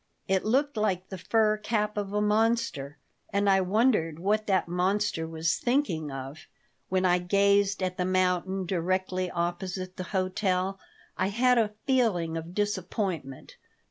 It looked like the fur cap of a monster, and I wondered what that monster was thinking of When I gazed at the mountain directly opposite the hotel I had a feeling of disappointment.